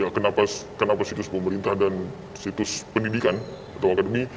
ya kenapa situs pemerintah dan situs pendidikan atau akademi